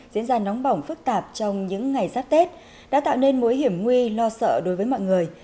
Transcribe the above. diễn ra nóng bỏng phức tạp trong những ngày giáp tết đã tạo nên mối hiểm nguy lo sợ đối với mọi người